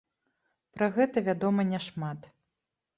Пра гэта вядома няшмат.